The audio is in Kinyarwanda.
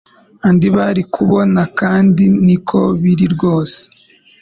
Andi bari kubona kandi niko biri rwose